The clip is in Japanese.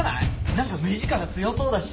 なんか目力強そうだし。